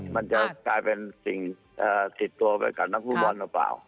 มันจะกลายเป็นสิ่งติดตัวไปกับนักฟุตบอลหรือเปล่า